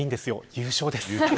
優勝です。